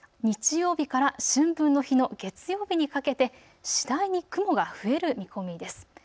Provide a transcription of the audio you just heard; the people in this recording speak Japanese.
日曜日から春分の日の月曜日にかけて次第に雲が増える見込みです。